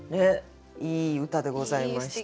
いい歌でございました。